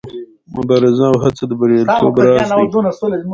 مبارزه او هڅه د بریالیتوب راز دی.